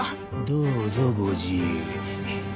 どうぞご自由に。